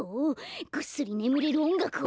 ぐっすりねむれるおんがくをオン！